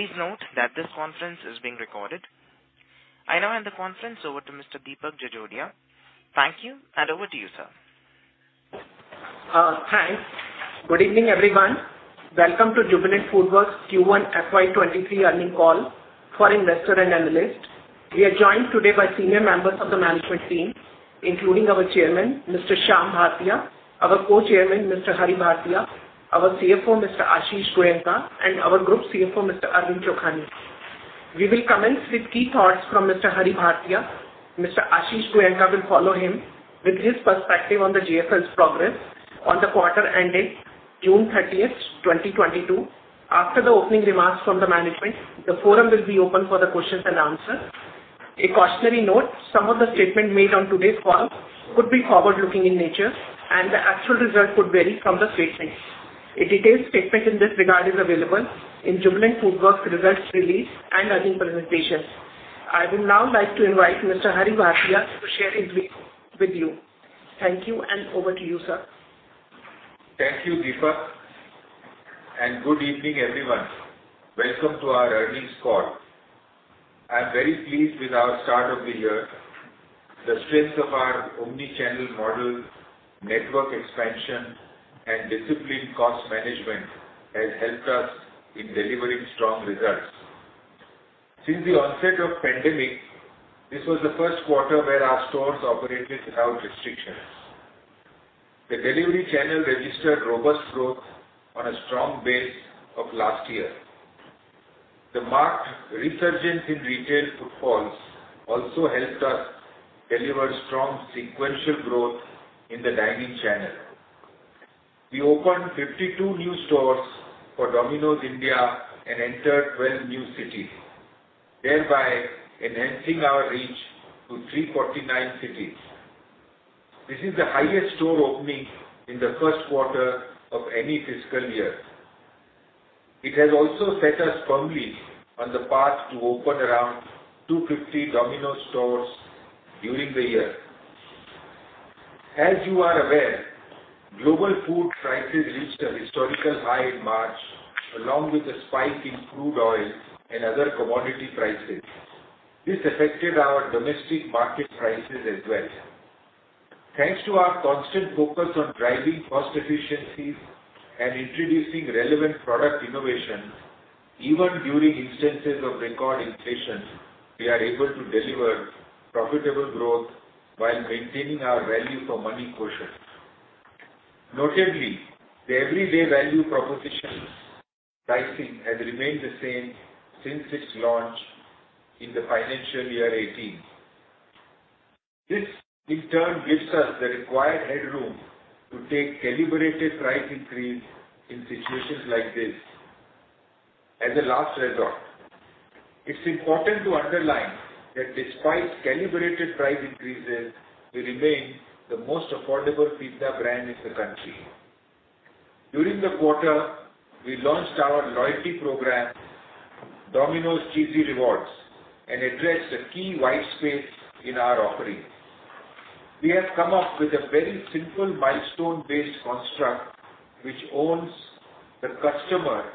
Please note that this conference is being recorded. I now hand the conference over to Mr. Deepak Jajodia. Thank you, and over to you, sir. Hi. Good evening, everyone. Welcome to Jubilant FoodWorks Q1 FY 2023 earnings call for investor and analyst. We are joined today by senior members of the management team, including our Chairman, Mr. Shyam Bhartia, our Co-Chairman, Mr. Hari Bhartia, our CFO, Mr. Ashish Goenka, and our Group CFO, Mr. Arvind Chokhani. We will commence with key thoughts from Mr. Hari Bhatia. Mr. Ashish Goenka will follow him with his perspective on the JFL's progress on the quarter ending June 30, 2022. After the opening remarks from the management, the forum will be open for the questions and answers. A cautionary note. Some of the statements made on today's call could be forward-looking in nature, and the actual results could vary from the statements. A detailed statement in this regard is available in Jubilant FoodWorks results release and earnings presentations. I would now like to invite Mr. Hari S. Bhartia to share his views with you. Thank you, and over to you, sir. Thank you, Deepak, and good evening, everyone. Welcome to our earnings call. I am very pleased with our start of the year. The strength of our omni-channel model, network expansion, and disciplined cost management has helped us in delivering strong results. Since the onset of pandemic, this was the first quarter where our stores operated without restrictions. The delivery channel registered robust growth on a strong base of last year. The marked resurgence in retail footfalls also helped us deliver strong sequential growth in the dining channel. We opened 52 new stores for Domino's India and entered 12 new cities, thereby enhancing our reach to 349 cities. This is the highest store opening in the first quarter of any fiscal year. It has also set us firmly on the path to open around 250 Domino's stores during the year. As you are aware, global food prices reached a historical high in March, along with a spike in crude oil and other commodity prices. This affected our domestic market prices as well. Thanks to our constant focus on driving cost efficiencies and introducing relevant product innovations, even during instances of record inflation, we are able to deliver profitable growth while maintaining our value for money quotient. Notably, the Everyday Value proposition's pricing has remained the same since its launch in the financial year 2018. This, in turn, gives us the required headroom to take calibrated price increase in situations like this as a last resort. It's important to underline that despite calibrated price increases, we remain the most affordable pizza brand in the country. During the quarter, we launched our loyalty program, Domino's Cheesy Rewards, and addressed the key white space in our offering. We have come up with a very simple milestone-based construct which owes the customer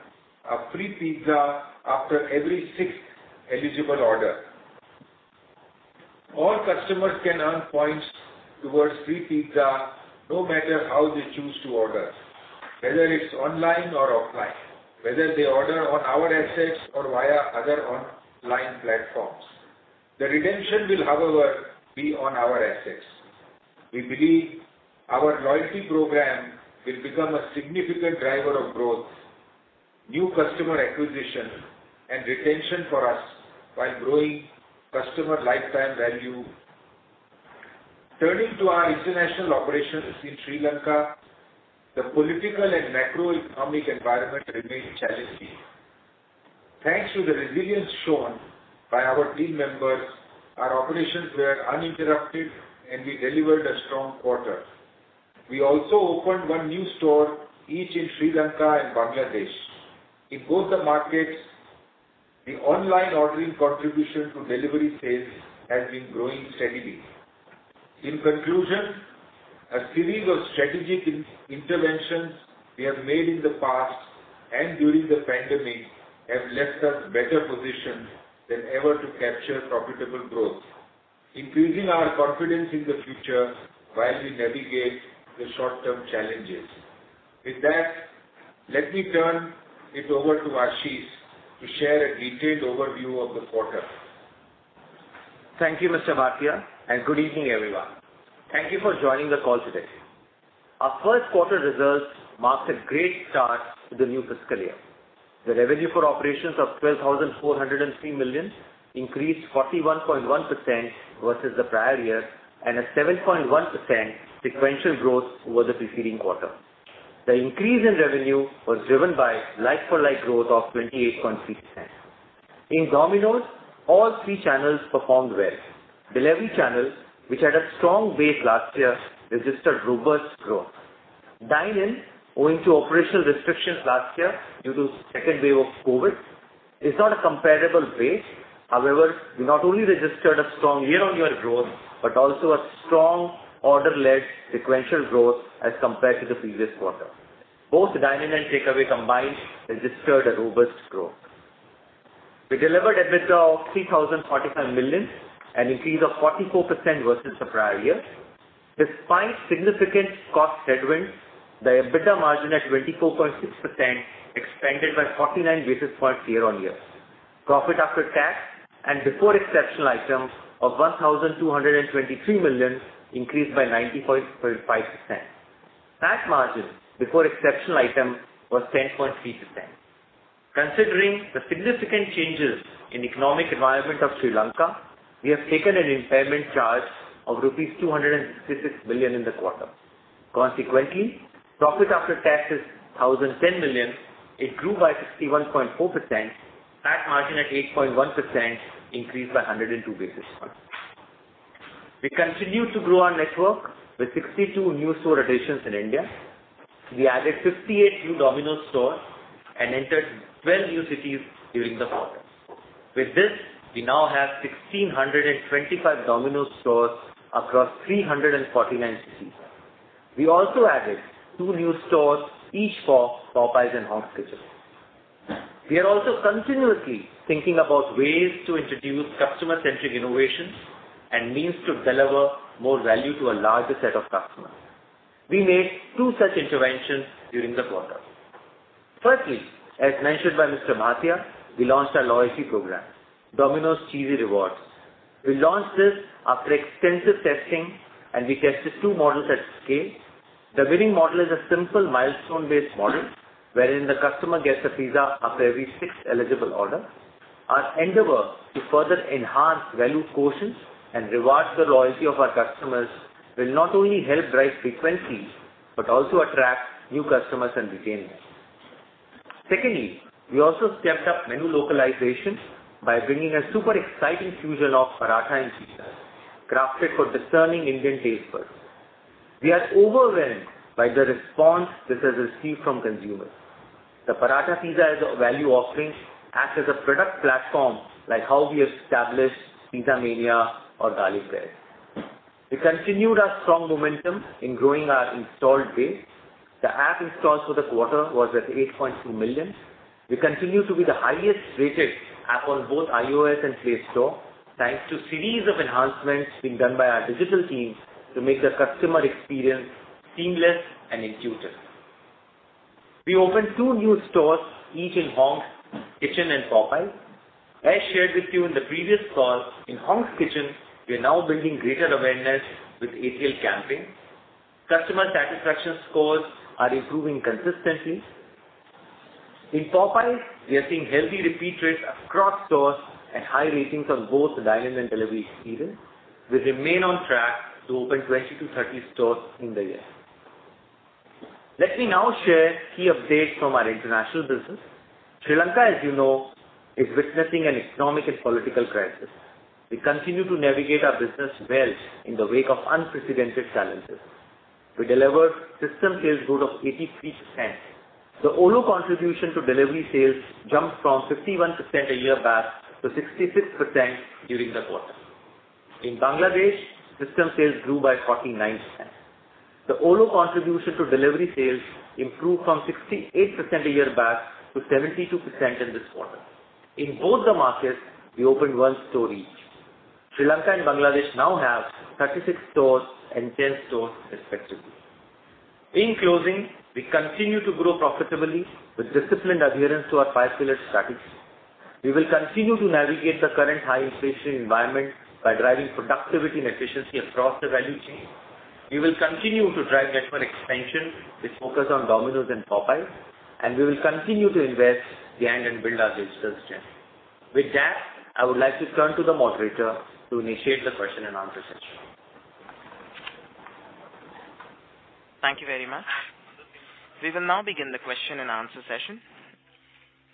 a free pizza after every sixth eligible order. All customers can earn points towards free pizza no matter how they choose to order, whether it's online or offline, whether they order on our assets or via other online platforms. The redemption will, however, be on our assets. We believe our loyalty program will become a significant driver of growth, new customer acquisition, and retention for us while growing customer lifetime value. Turning to our international operations in Sri Lanka, the political and macroeconomic environment remained challenging. Thanks to the resilience shown by our team members, our operations were uninterrupted, and we delivered a strong quarter. We also opened one new store each in Sri Lanka and Bangladesh. In both the markets, the online ordering contribution to delivery sales has been growing steadily. In conclusion, a series of strategic interventions we have made in the past and during the pandemic have left us better positioned than ever to capture profitable growth, increasing our confidence in the future while we navigate the short-term challenges. With that, let me turn it over to Ashish to share a detailed overview of the quarter. Thank you, Mr. Bhartia, and good evening, everyone. Thank you for joining the call today. Our first quarter results marked a great start to the new fiscal year. The revenue for operations of 12,403 million increased 41.1% versus the prior year and a 7.1% sequential growth over the preceding quarter. The increase in revenue was driven by like-for-like growth of 28.6%. In Domino's, all three channels performed well. Delivery channel, which had a strong base last year, registered robust growth. Dine-in, owing to operational restrictions last year due to second wave of COVID, is not a comparable base. However, we not only registered a strong year-on-year growth, but also a strong order-led sequential growth as compared to the previous quarter. Both dine-in and takeaway combined registered a robust growth. We delivered EBITDA of 3,045 million, an increase of 44% versus the prior year. Despite significant cost headwinds, the EBITDA margin at 24.6% expanded by 49 basis points year-on-year. Profit after tax and before exceptional items of 1,223 million increased by 90.5%. PAT margin before exceptional item was 10.3%. Considering the significant changes in economic environment of Sri Lanka, we have taken an impairment charge of rupees 266 billion in the quarter. Consequently, profit after tax is 1,010 million. It grew by 61.4%. PAT margin at 8.1% increased by 102 basis points. We continue to grow our network with 62 new store additions in India. We added 58 new Domino's stores and entered 12 new cities during the quarter. With this, we now have 1,625 Domino's stores across 349 cities. We also added two new stores each for Popeyes and Hong's Kitchen. We are also continuously thinking about ways to introduce customer-centric innovations and means to deliver more value to a larger set of customers. We made two such interventions during the quarter. Firstly, as mentioned by Mr. Bhartia, we launched our loyalty program, Domino's Cheesy Rewards. We launched this after extensive testing, and we tested two models at scale. The winning model is a simple milestone-based model wherein the customer gets a pizza after every six eligible orders. Our endeavor to further enhance value portions and reward the loyalty of our customers will not only help drive frequencies, but also attract new customers and retain them. Secondly, we also stepped up menu localization by bringing a super exciting fusion of Paratha Pizza crafted for discerning Indian taste buds. We are overwhelmed by the response this has received from consumers. The Paratha Pizza is a value offering, acts as a product platform like how we established Pizza Mania or Garlic Bread. We continued our strong momentum in growing our installed base. The app installs for the quarter was at 8.2 million. We continue to be the highest rated app on both iOS and Play Store, thanks to series of enhancements being done by our digital teams to make the customer experience seamless and intuitive. We opened two new stores, each in Hong's Kitchen and Popeyes. As shared with you in the previous call, in Hong's Kitchen, we are now building greater awareness with ATL campaign. Customer satisfaction scores are improving consistently. In Popeyes, we are seeing healthy repeat rates across stores and high ratings on both the dine-in and delivery experience. We remain on track to open 20-30 stores in the year. Let me now share key updates from our international business. Sri Lanka, as you know, is witnessing an economic and political crisis. We continue to navigate our business well in the wake of unprecedented challenges. We delivered system sales growth of 83%. The OLO contribution to delivery sales jumped from 51% a year back to 66% during the quarter. In Bangladesh, system sales grew by 49%. The OLO contribution to delivery sales improved from 68% a year back to 72% in this quarter. In both the markets, we opened 1 store each. Sri Lanka and Bangladesh now have 36 stores and 10 stores respectively. In closing, we continue to grow profitably with disciplined adherence to our five-pillar strategy. We will continue to navigate the current high inflation environment by driving productivity and efficiency across the value chain. We will continue to drive network expansion with focus on Domino's and Popeyes, and we will continue to invest behind and build our digital strength. With that, I would like to turn to the moderator to initiate the question and answer session. Thank you very much. We will now begin the question and answer session.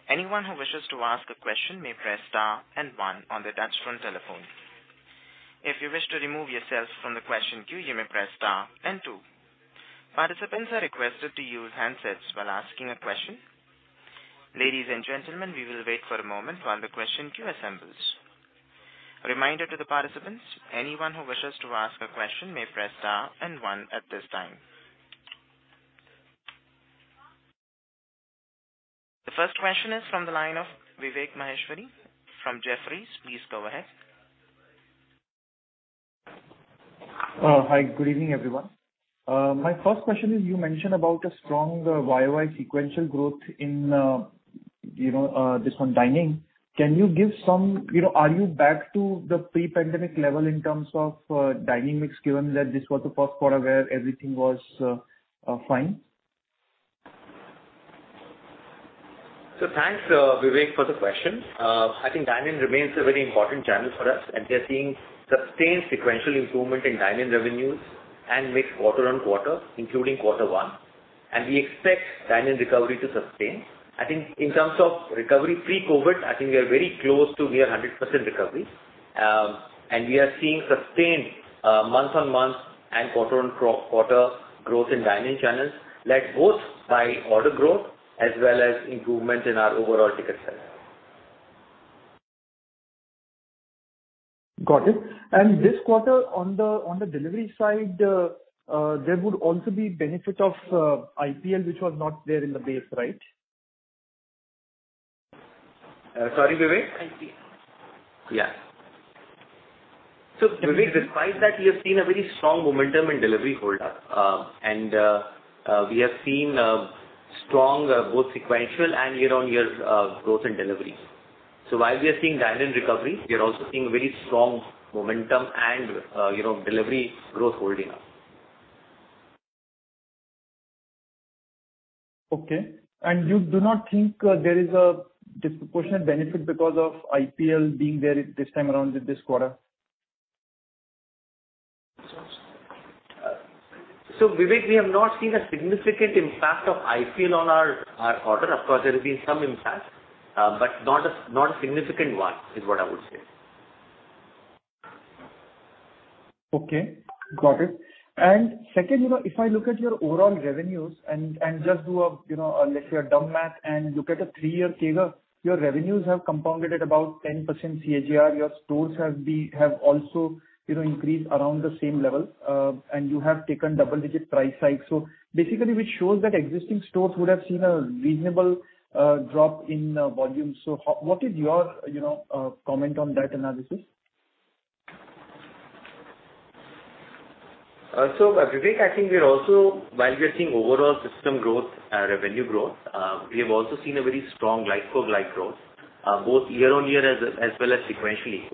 Anyone who wishes to ask a question may press star and one on their touch-tone telephone. If you wish to remove yourself from the question queue, you may press star and two. Participants are requested to use handsets while asking a question. Ladies and gentlemen, we will wait for a moment while the question queue assembles. A reminder to the participants, anyone who wishes to ask a question may press star and one at this time. The first question is from the line of Vivek Maheshwari from Jefferies. Please go ahead. Hi. Good evening, everyone. My first question is you mentioned about a strong YOY sequential growth in, you know, this one dine-in. Can you give some. You know, are you back to the pre-pandemic level in terms of, dine-in mix, given that this was the first quarter where everything was, fine? Thanks, Vivek for the question. I think dine-in remains a very important channel for us, and we are seeing sustained sequential improvement in dine-in revenues and mix quarter on quarter, including quarter one. We expect dine-in recovery to sustain. I think in terms of recovery pre-COVID, I think we are very close to near 100% recovery. We are seeing sustained, month-on-month and quarter-on-quarter growth in dine-in channels. That both by order growth as well as improvement in our overall ticket size. Got it. This quarter on the delivery side, there would also be benefit of IPL, which was not there in the base, right? Sorry, Vivek? IPL. Yeah. Vivek, despite that, we have seen a very strong momentum in delivery hold up. We have seen strong both sequential and year-on-year growth in deliveries. While we are seeing dine-in recovery, we are also seeing very strong momentum and you know delivery growth holding up. Okay. You do not think there is a disproportionate benefit because of IPL being there this time around with this quarter? Vivek, we have not seen a significant impact of IPL on our order. Of course, there has been some impact, but not a significant one, is what I would say. Okay, got it. Second, you know, if I look at your overall revenues and just do a, you know, a lesser dumb math and look at a three-year CAGR, your revenues have compounded at about 10% CAGR. Your stores have also, you know, increased around the same level. You have taken double-digit price hikes. Basically, which shows that existing stores would have seen a reasonable drop in volume. What is your, you know, comment on that analysis? Vivek, I think we are also, while we are seeing overall system growth, revenue growth, we have also seen a very strong like-for-like growth, both year-over-year as well as sequentially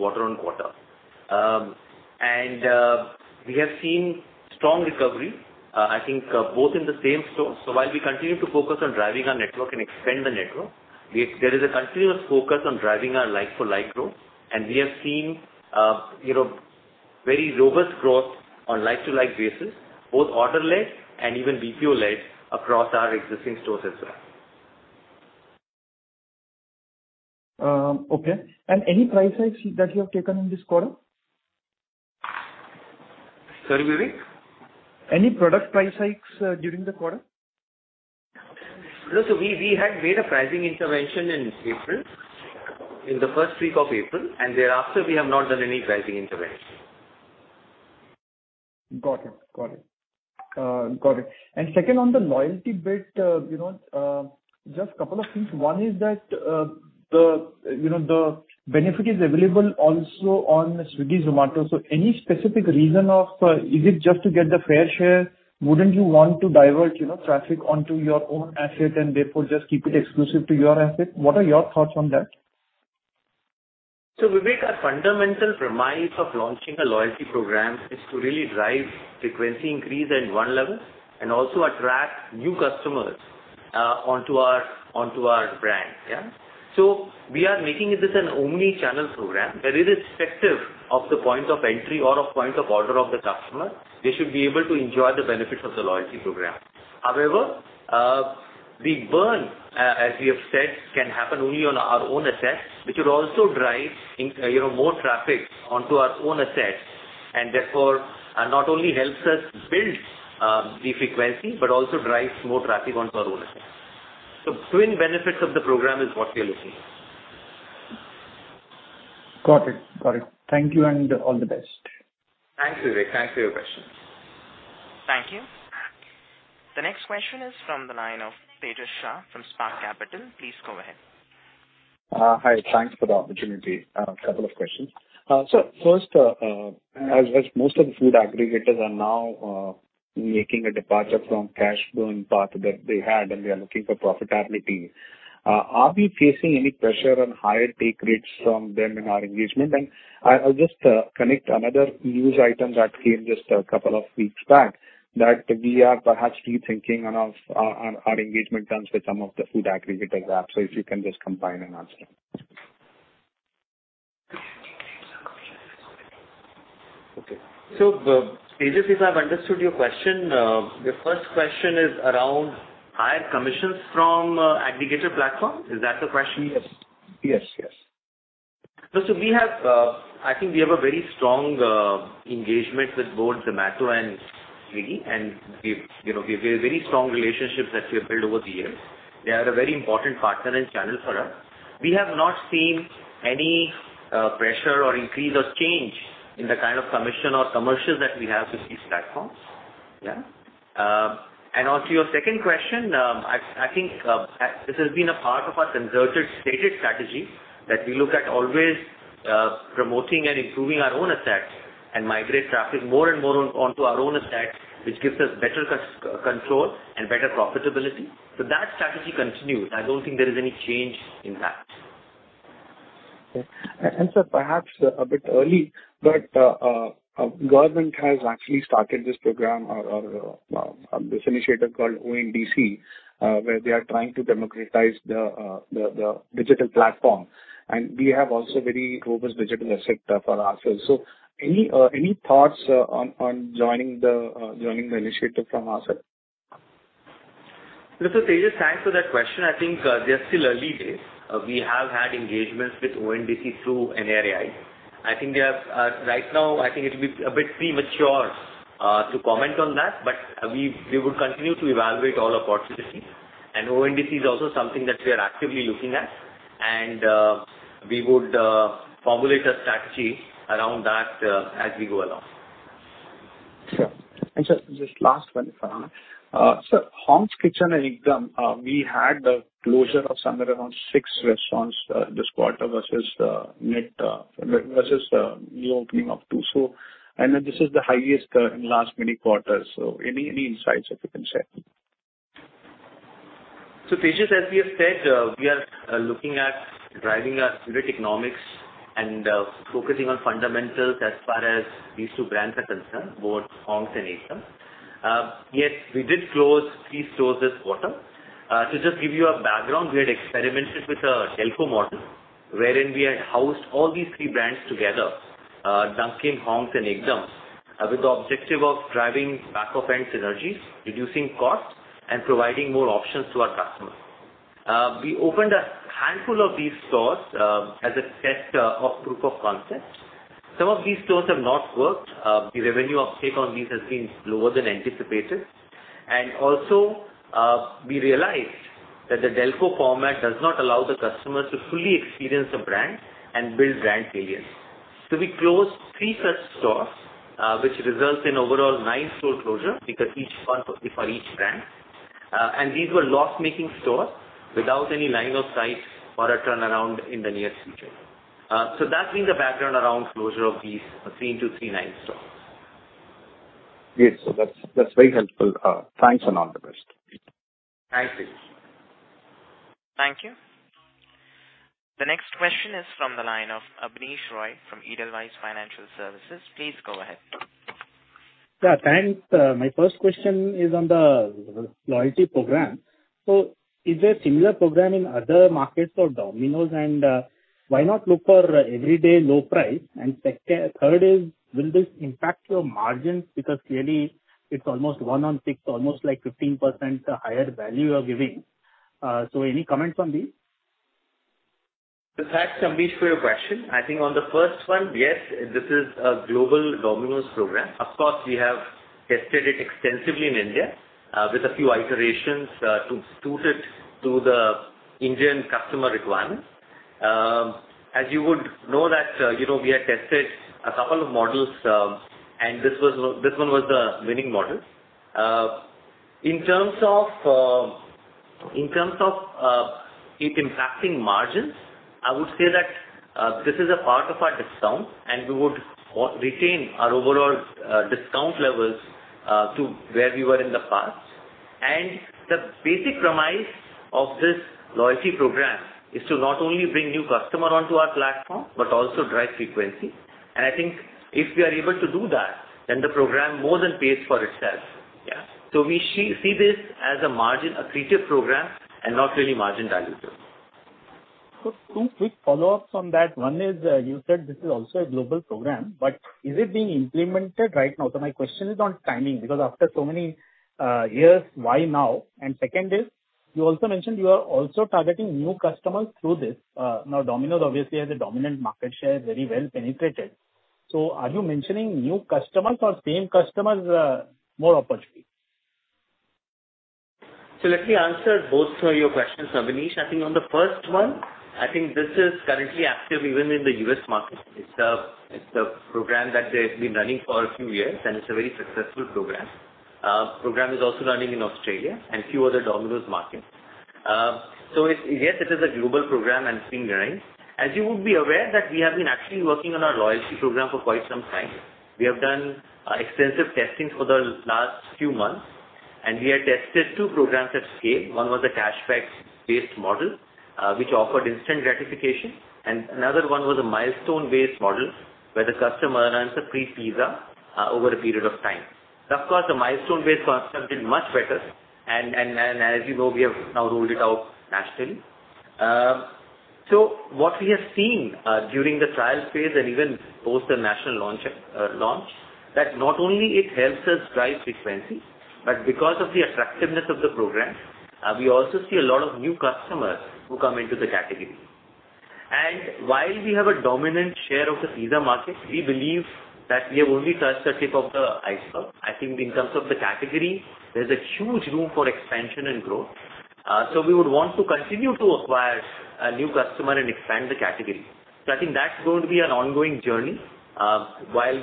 quarter-over-quarter. We have seen strong recovery, I think, both in the same stores. While we continue to focus on driving our network and expand the network, there is a continuous focus on driving our like-for-like growth. We have seen, you know, very robust growth on like-for-like basis, both order-led and even ticket-led across our existing stores as well. Okay. Any price hikes that you have taken in this quarter? Sorry, Vivek? Any product price hikes during the quarter? No. We had made a pricing intervention in April, in the first week of April, and thereafter we have not done any pricing intervention. Got it. Second, on the loyalty bit, you know, just couple of things. One is that, you know, the benefit is available also on Swiggy, Zomato. Any specific reason of, is it just to get the fair share? Wouldn't you want to divert, you know, traffic onto your own asset and therefore just keep it exclusive to your asset? What are your thoughts on that? Vivek, our fundamental premise of launching a loyalty program is to really drive frequency increase at one level and also attract new customers onto our brand. Yeah? We are making this an omni-channel program where irrespective of the point of entry or of point of order of the customer, they should be able to enjoy the benefits of the loyalty program. However, the burn, as we have said, can happen only on our own assets, which will also drive in, you know, more traffic onto our own assets, and therefore, not only helps us build the frequency, but also drives more traffic onto our own assets. Twin benefits of the program is what we are looking at. Got it. Thank you and all the best. Thanks, Vivek. Thanks for your questions. Thank you. The next question is from the line of Tejas Shah from Spark Capital. Please go ahead. Hi. Thanks for the opportunity. A couple of questions. First, as most of the food aggregators are now making a departure from cash burn path that they had and they are looking for profitability, are we facing any pressure on higher take rates from them in our engagement? And I'll just connect another news item that came just a couple of weeks back that we are perhaps rethinking of our engagement terms with some of the food aggregator apps. If you can just combine and answer. Okay. Tejas, if I've understood your question, your first question is around higher commissions from aggregator platform. Is that the question? Yes. Yes, yes. I think we have a very strong engagement with both Zomato and Swiggy, and we've a very strong relationships that we have built over the years. They are a very important partner and channel for us. We have not seen any pressure or increase or change in the kind of commission or commercials that we have with these platforms. And onto your second question, I think this has been a part of our concerted, stated strategy that we look at always promoting and improving our own assets and migrate traffic more and more onto our own assets, which gives us better customer control and better profitability. That strategy continues. I don't think there is any change in that. Okay. Sir, perhaps a bit early, but government has actually started this initiative called ONDC, where they are trying to democratize the digital platform. We have also very robust digital asset for ourselves. Any thoughts on joining the initiative from our side? Tejas, thanks for that question. I think, it's still early days. We have had engagements with ONDC through NRAI. I think they have. Right now, I think it'll be a bit premature to comment on that, but we would continue to evaluate all opportunities. ONDC is also something that we are actively looking at, and we would formulate a strategy around that, as we go along. Sure. Just last one if I may. Hong's Kitchen and Ekdum!, we had a closure of somewhere around 6 restaurants this quarter versus net new opening of 2. This is the highest in last many quarters. Any insights that you can share? Tejas, as we have said, we are looking at driving our unit economics and focusing on fundamentals as far as these two brands are concerned, both Hong's and Ekdum!. Yes, we did close three stores this quarter. To just give you a background, we had experimented with a DELCO model wherein we had housed all these three brands together, Dunkin', Hong's, and Ekdum!, with the objective of driving back-end synergies, reducing costs, and providing more options to our customers. We opened a handful of these stores, as a test, of proof of concept. Some of these stores have not worked. The revenue uptake on these has been lower than anticipated. Also, we realized that the DELCO format does not allow the customers to fully experience the brand and build brand familiarity. We closed 3 such stores, which results in overall 9 store closure because each one for each brand. These were loss-making stores without any line of sight for a turnaround in the near future. That's been the background around closure of these 3 into 3, 9 stores. Yes. That's very helpful. Thanks and all the best. Thanks Tejas. Thank you. The next question is from the line of Abneesh Roy from Edelweiss Financial Services. Please go ahead. Yeah, thanks. My first question is on the loyalty program. Is there a similar program in other markets for Domino's? Why not look for everyday low price? Third is, will this impact your margins? Because clearly it's almost 1 in 6, almost like 15% higher value you are giving. Any comment on this? Thanks Abneesh for your question. I think on the first one, yes, this is a global Domino's program. Of course, we have tested it extensively in India, with a few iterations, to suit it to the Indian customer requirements. As you would know that, you know, we had tested a couple of models, and this one was the winning model. In terms of it impacting margins, I would say that this is a part of our discount, and we would retain our overall discount levels to where we were in the past. The basic premise of this loyalty program is to not only bring new customer onto our platform, but also drive frequency. I think if we are able to do that, then the program more than pays for itself. Yeah. We see this as a margin accretive program and not really margin dilutive. Two quick follow-ups on that. One is, you said this is also a global program, but is it being implemented right now? My question is on timing, because after so many years, why now? And second is, you also mentioned you are also targeting new customers through this. Now Domino's obviously has a dominant market share, very well penetrated. Are you mentioning new customers or same customers, more opportunity? Let me answer both your questions, Abneesh. I think on the first one, I think this is currently active even in the U.S. market. It's a program that they've been running for a few years, and it's a very successful program. Program is also running in Australia and a few other Domino's markets. It is a global program and it's been running. As you would be aware that we have been actually working on our loyalty program for quite some time. We have done extensive testing for the last few months, and we have tested two programs at scale. One was a cashback-based model, which offered instant gratification, and another one was a milestone-based model where the customer earns a free pizza over a period of time. Of course, the milestone-based concept did much better and as you know, we have now rolled it out nationally. What we have seen during the trial phase and even post the national launch that not only it helps us drive frequency, but because of the attractiveness of the program, we also see a lot of new customers who come into the category. While we have a dominant share of the pizza market, we believe that we have only touched the tip of the iceberg. I think in terms of the category, there's a huge room for expansion and growth. We would want to continue to acquire a new customer and expand the category. I think that's going to be an ongoing journey, while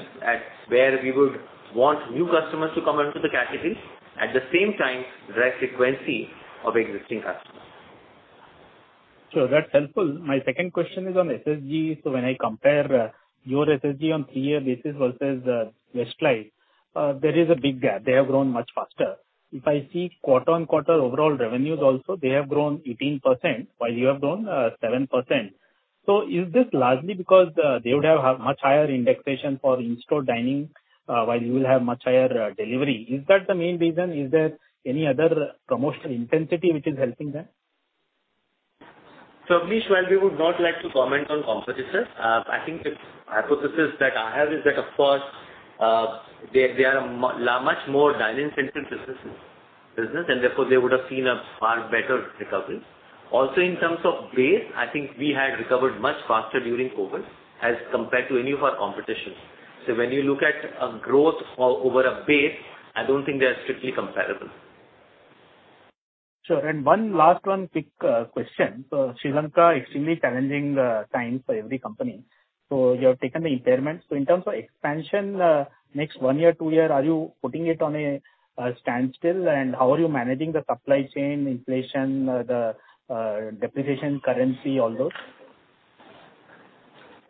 we would want new customers to come into the category, at the same time drive frequency of existing customers. Sure, that's helpful. My second question is on SSG. When I compare your SSG on three-year basis versus Westlife, there is a big gap. They have grown much faster. If I see quarter-on-quarter overall revenues also, they have grown 18% while you have grown 7%. Is this largely because they would have much higher indexation for in-store dining while you will have much higher delivery? Is that the main reason? Is there any other promotional intensity which is helping them? Abneesh, while we would not like to comment on competitors, I think the hypothesis that I have is that of course, they are much more dining-centric business and therefore they would have seen a far better recovery. Also in terms of base, I think we had recovered much faster during COVID as compared to any of our competition. When you look at growth over a base, I don't think they are strictly comparable. Sure. One last quick question. Sri Lanka extremely challenging time for every company. You have taken the impairment. In terms of expansion, next 1 year, 2 year, are you putting it on a standstill? How are you managing the supply chain inflation, the currency depreciation, all those?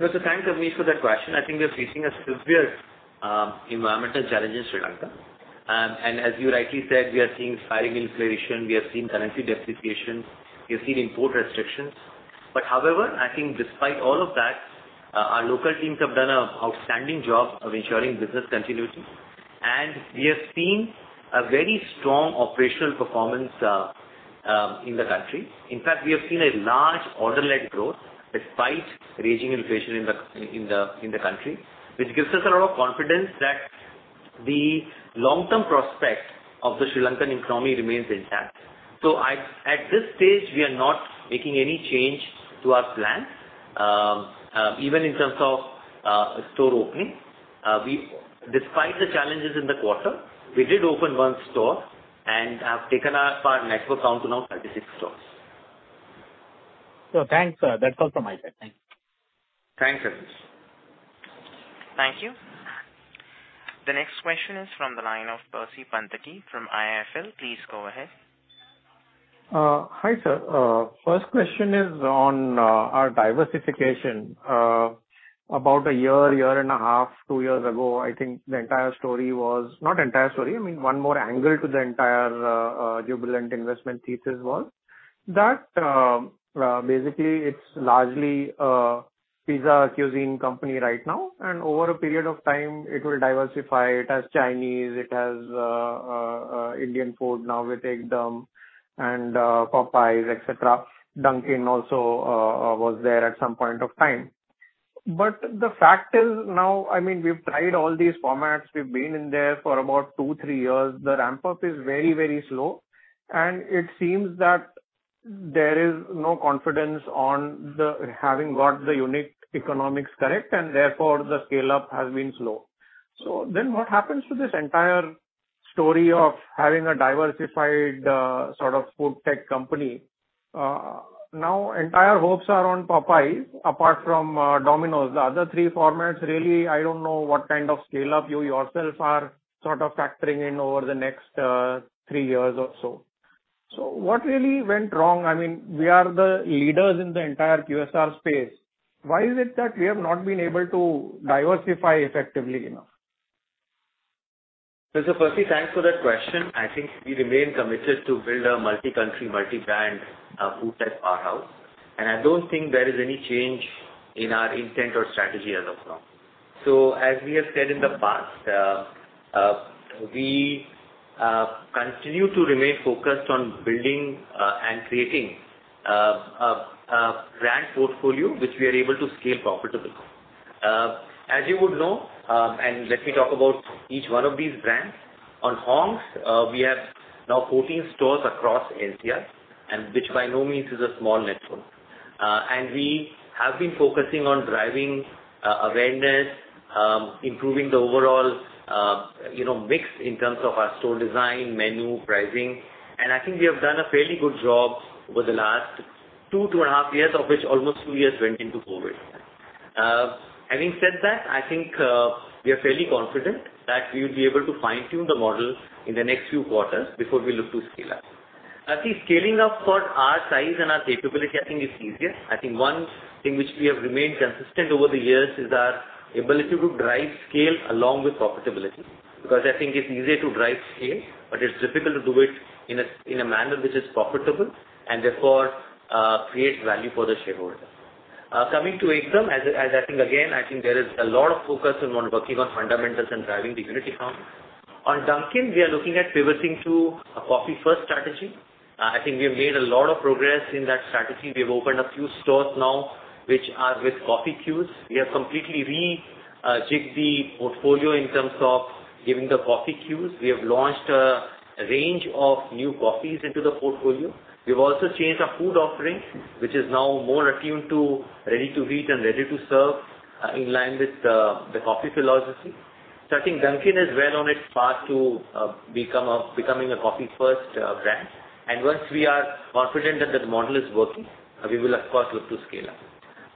Thanks, Abneesh Roy, for that question. I think we are facing a severe environmental challenge in Sri Lanka. As you rightly said, we are seeing spiraling inflation, we are seeing currency depreciation, we are seeing import restrictions. However, I think despite all of that, our local teams have done an outstanding job of ensuring business continuity. We have seen a very strong operational performance in the country. In fact, we have seen a large order-led growth despite raging inflation in the country, which gives us a lot of confidence that the long-term prospect of the Sri Lankan economy remains intact. At this stage, we are not making any change to our plan, even in terms of store opening. Despite the challenges in the quarter, we did open 1 store and have taken our network count to now 36 stores. Thanks, sir. That's all from my side. Thank you. Thanks, Abneesh Roy. Thank you. The next question is from the line of Percy Panthaki from IIFL. Please go ahead. Hi, sir. First question is on our diversification. About 1 year, 1.5 years, 2 years ago, I think one more angle to the entire Jubilant investment thesis was that basically it's largely a pizza cuisine company right now, and over a period of time it will diversify. It has Chinese, it has Indian food now with Ekdum! and Popeyes, et cetera. Dunkin' also was there at some point of time. The fact is now, I mean, we've tried all these formats. We've been in there for about 2, 3 years. The ramp-up is very, very slow, and it seems that there is no confidence on the having got the unique economics correct, and therefore the scale-up has been slow. What happens to this entire story of having a diversified, sort of food tech company? Now entire hopes are on Popeyes apart from Domino's. The other three formats, really, I don't know what kind of scale-up you yourself are sort of factoring in over the next three years or so. What really went wrong? I mean, we are the leaders in the entire QSR space. Why is it that we have not been able to diversify effectively enough? Percy, thanks for that question. I think we remain committed to build a multi-country, multi-brand, food tech powerhouse, and I don't think there is any change in our intent or strategy as of now. As we have said in the past, we continue to remain focused on building and creating a brand portfolio which we are able to scale profitably. As you would know, and let me talk about each one of these brands. On Hong's, we have now 14 stores across India and which by no means is a small network. We have been focusing on driving awareness, improving the overall, you know, mix in terms of our store design, menu, pricing, and I think we have done a fairly good job over the last two and a half years, of which almost two years went into COVID. Having said that, I think we are fairly confident that we will be able to fine-tune the model in the next few quarters before we look to scale up. I think scaling up for our size and our capability I think is easier. I think one thing which we have remained consistent over the years is our ability to drive scale along with profitability, because I think it's easier to drive scale, but it's difficult to do it in a manner which is profitable and therefore create value for the shareholder. Coming to Ekdum!, I think there is a lot of focus on working on fundamentals and driving the unit economics. On Dunkin', we are looking at pivoting to a coffee first strategy. I think we have made a lot of progress in that strategy. We have opened a few stores now which are with coffee queues. We have completely rejigged the portfolio in terms of giving the coffee queues. We have launched a range of new coffees into the portfolio. We've also changed our food offering, which is now more attuned to ready to eat and ready to serve in line with the coffee philosophy. I think Dunkin' is well on its path to becoming a coffee first brand. Once we are confident that the model is working, we will of course look to scale up.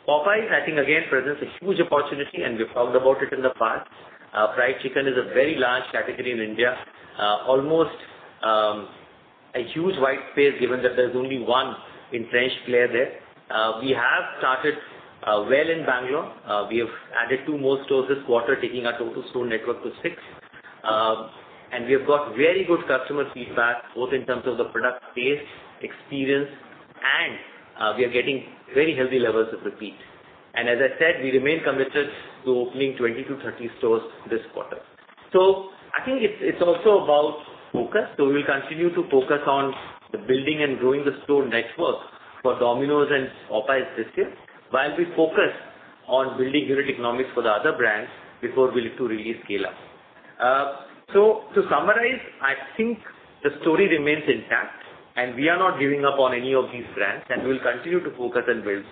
Popeyes, I think again presents a huge opportunity and we've talked about it in the past. Fried chicken is a very large category in India. Almost a huge white space given that there's only one entrenched player there. We have started well in Bangalore. We have added 2 more stores this quarter, taking our total store network to 6. And we have got very good customer feedback, both in terms of the product taste, experience, and we are getting very healthy levels of repeat. As I said, we remain committed to opening 20-30 stores this quarter. I think it's also about focus. We'll continue to focus on the building and growing the store network for Domino's and Popeyes first year, while we focus on building unit economics for the other brands before we look to really scale up. To summarize, I think the story remains intact, and we are not giving up on any of these brands, and we'll continue to focus and build.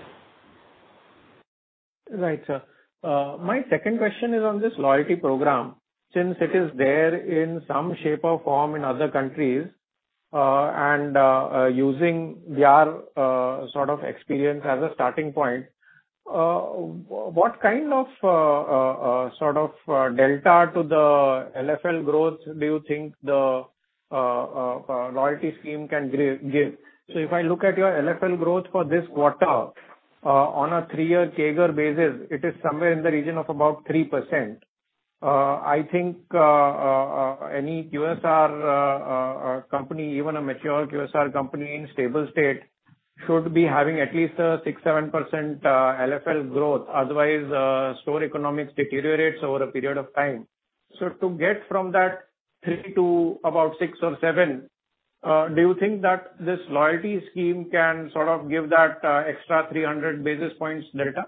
Right, sir. My second question is on this loyalty program. Since it is there in some shape or form in other countries, and using their sort of experience as a starting point, what kind of sort of delta to the LFL growth do you think the loyalty scheme can give? If I look at your LFL growth for this quarter, on a three-year CAGR basis, it is somewhere in the region of about 3%. I think any QSR company, even a mature QSR company in stable state should be having at least a 6%-7% LFL growth, otherwise store economics deteriorates over a period of time. To get from that 3 to about 6 or 7, do you think that this loyalty scheme can sort of give that extra 300 basis points delta?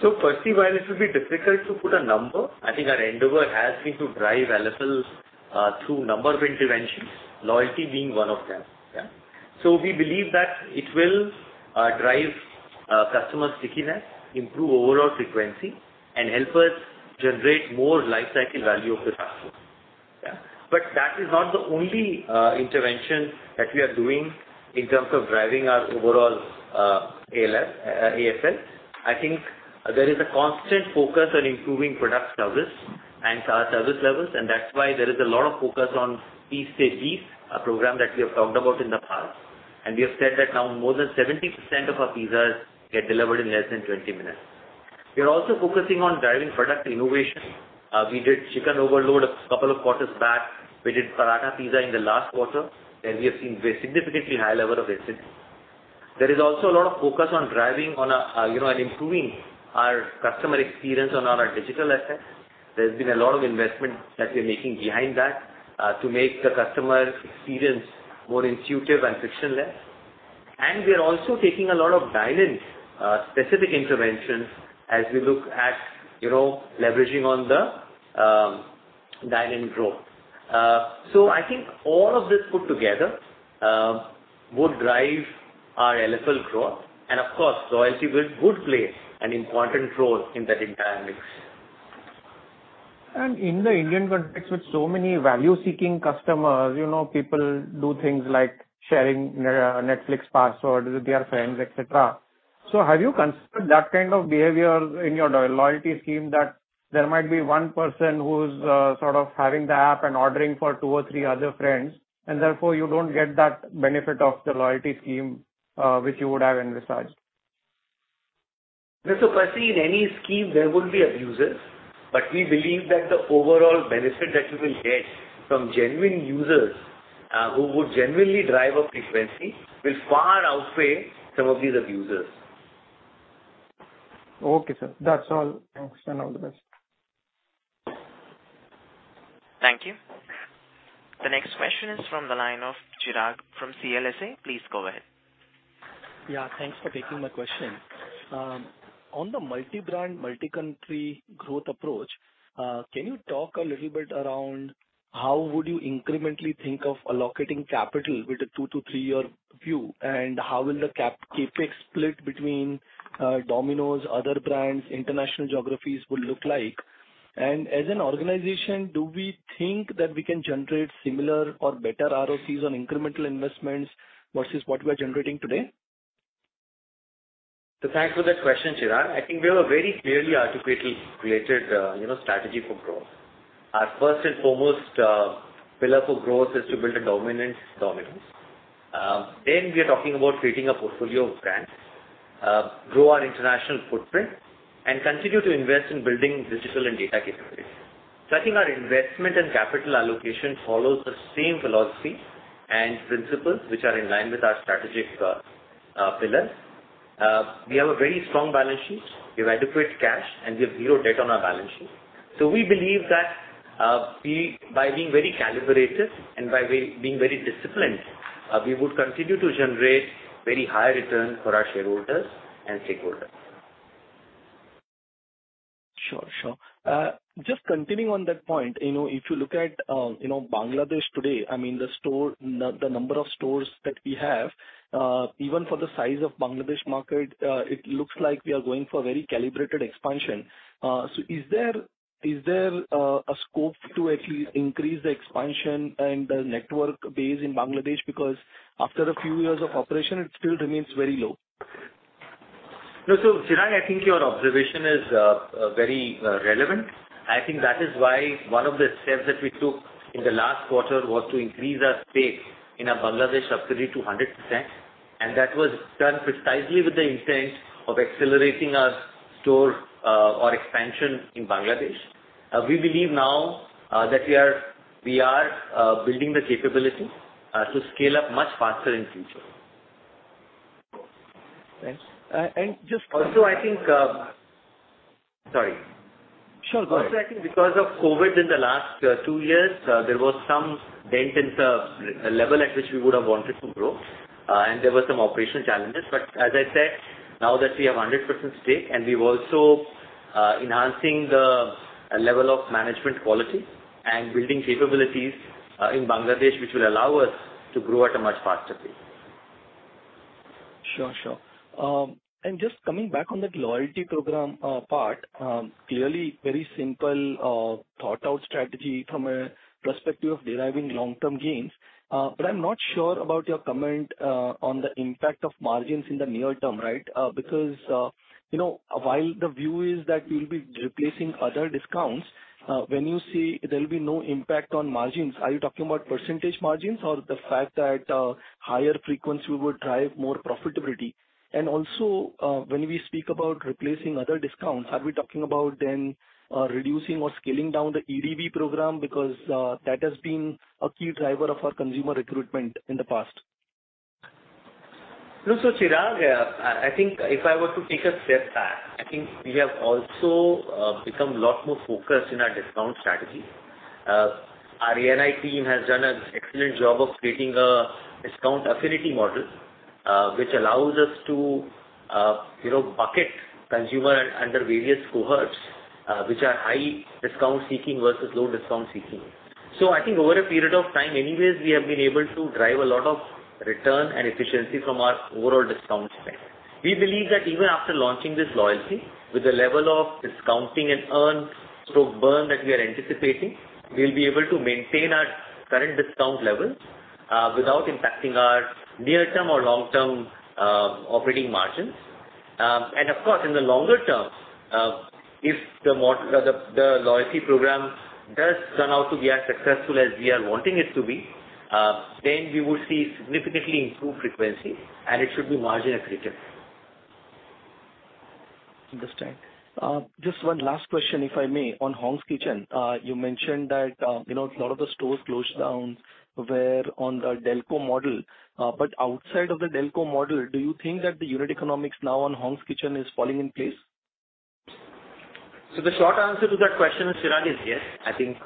Firstly, while it will be difficult to put a number, I think our endeavor has been to drive LFLs through a number of interventions, loyalty being one of them. We believe that it will drive customer stickiness, improve overall frequency, and help us generate more life cycle value of the customer. That is not the only intervention that we are doing in terms of driving our overall LFL. I think there is a constant focus on improving product service and our service levels, and that's why there is a lot of focus on Pizza Delivery, a program that we have talked about in the past. We have said that now more than 70% of our pizzas get delivered in less than 20 minutes. We are also focusing on driving product innovation. We did Chicken Overload a couple of quarters back. We did Paratha Pizza in the last quarter, and we have seen very significantly high level of visits. There is also a lot of focus on driving on a, you know, and improving our customer experience on all our digital assets. There's been a lot of investment that we're making behind that, to make the customer experience more intuitive and frictionless. We are also taking a lot of dine-in, specific interventions as we look at, you know, leveraging on the, dine-in growth. I think all of this put together would drive our LFL growth. Of course, loyalty would play an important role in that entire mix. In the Indian context, with so many value-seeking customers, you know, people do things like sharing Netflix password with their friends, et cetera. Have you considered that kind of behavior in your loyalty scheme that there might be one person who's sort of having the app and ordering for two or three other friends, and therefore you don't get that benefit of the loyalty scheme, which you would have envisaged? First, in any scheme there will be abusers, but we believe that the overall benefit that we will get from genuine users, who would genuinely drive up frequency, will far outweigh some of these abusers. Okay, sir. That's all. Thanks and all the best. Thank you. The next question is from the line of Chirag from CLSA. Please go ahead. Yeah, thanks for taking my question. On the multi-brand, multi-country growth approach, can you talk a little bit around how would you incrementally think of allocating capital with a 2-3-year view? And how will the CapEx split between Domino's, other brands, international geographies will look like? And as an organization, do we think that we can generate similar or better ROC on incremental investments versus what we are generating today? Thanks for that question, Chirag. I think we have a very clearly articulated strategy for growth. Our first and foremost pillar for growth is to build dominance. Then we are talking about creating a portfolio of brands, grow our international footprint, and continue to invest in building digital and data capabilities. I think our investment and capital allocation follows the same philosophy and principles which are in line with our strategic pillars. We have a very strong balance sheet. We have adequate cash, and we have zero debt on our balance sheet. We believe that, by being very calibrated and by way of being very disciplined, we would continue to generate very high return for our shareholders and stakeholders. Sure, sure. Just continuing on that point, you know, if you look at, you know, Bangladesh today, I mean, the number of stores that we have, even for the size of Bangladesh market, it looks like we are going for very calibrated expansion. So is there a scope to at least increase the expansion and the network base in Bangladesh? Because after a few years of operation, it still remains very low. No. Chirag, I think your observation is very relevant. I think that is why one of the steps that we took in the last quarter was to increase our stake in our Bangladesh subsidiary to 100%. That was done precisely with the intent of accelerating our store or expansion in Bangladesh. We believe now that we are building the capability to scale up much faster in future. Thanks. Sorry. Sure, go ahead. Also, I think because of COVID in the last two years, there was some dent in the level at which we would have wanted to grow, and there were some operational challenges. As I said, now that we have 100% stake, and we've also enhancing the level of management quality and building capabilities, in Bangladesh, which will allow us to grow at a much faster pace. Sure, sure. Just coming back on that loyalty program part, clearly very simple thought out strategy from a perspective of deriving long-term gains. I'm not sure about your comment on the impact of margins in the near term, right? You know, while the view is that you'll be replacing other discounts, when you say there'll be no impact on margins, are you talking about percentage margins or the fact that higher frequency will drive more profitability? Also, when we speak about replacing other discounts, are we talking about then reducing or scaling down the EDV program because that has been a key driver of our consumer recruitment in the past. No. Chirag, I think if I were to take a step back, I think we have also become a lot more focused in our discount strategy. Our AI team has done an excellent job of creating a discount affinity model, which allows us to, you know, bucket consumer under various cohorts, which are high discount seeking versus low discount seeking. I think over a period of time, anyways, we have been able to drive a lot of return and efficiency from our overall discount spend. We believe that even after launching this loyalty with the level of discounting and earn through burn that we are anticipating, we'll be able to maintain our current discount levels, without impacting our near-term or long-term, operating margins. Of course, in the longer term, if the loyalty program does turn out to be as successful as we are wanting it to be, we would see significantly improved frequency and it should be margin accretive. Understood. Just one last question, if I may. On Hong's Kitchen, you mentioned that, you know, a lot of the stores closed down were on the DELCO model. Outside of the DELCO model, do you think that the unit economics now on Hong's Kitchen is falling in place? The short answer to that question, Chirag, is yes. I think